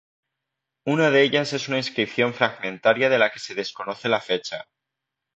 Una de ellas es una inscripción fragmentaria de la que se desconoce la fecha.